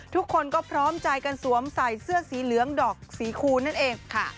ทุกคนก็พร้อมใจกันสวมใส่เสื้อสีเหลืองดอกสีคูณนั่นเองค่ะ